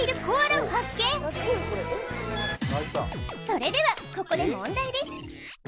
それではここで問題です